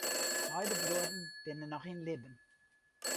Beide bruorren binne noch yn libben.